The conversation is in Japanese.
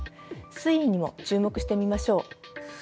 推移にも注目してみましょう。